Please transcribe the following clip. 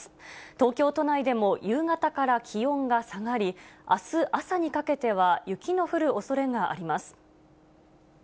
東京都内でも夕方から気温が下がり、あす朝にかけては雪の降るおそれがあります。